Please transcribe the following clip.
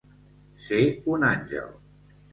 Ser un àngel.